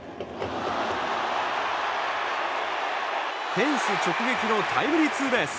フェンス直撃のタイムリーツーベース。